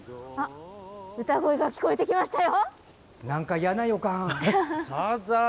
歌声が聞こえてきましたよ。